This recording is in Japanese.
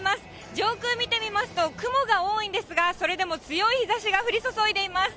上空見てみますと、雲が多いんですが、それでも強い日ざしが降り注いでいます。